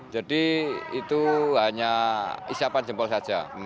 jadi itu hanya isapan jempol saja